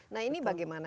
nah ini bagaimana